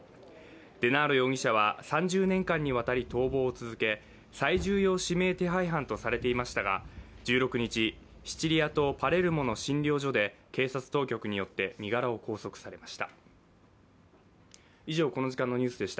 デナーロ容疑者は３０年間にわたり逃亡を続け最重要指名手配犯とされていましたが、１６日シチリア島パレルモの診療所で警察当局によって身柄を拘束されました。